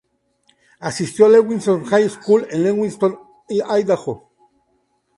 Asistió a Lewiston High School en Lewiston, Idaho.